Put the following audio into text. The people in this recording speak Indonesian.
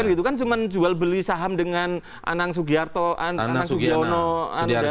gitu kan cuma jual beli saham dengan anang sugiarto anang sugiono anang